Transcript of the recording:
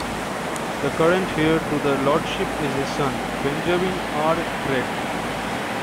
The current heir to the Lordship is his son, Benjamin R. Gregg.